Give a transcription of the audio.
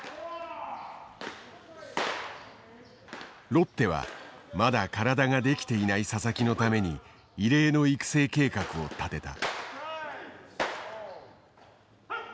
ロッテはまだ体ができていない佐々木のために異例の育成計画を立てた。